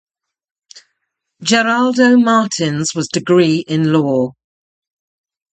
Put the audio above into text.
Geraldo Martins was degree in Law.